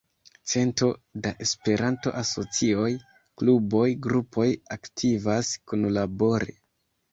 Cento da Esperanto-asocioj, kluboj, grupoj aktivas kunlabore.